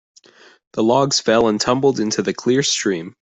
The logs fell and tumbled into the clear stream.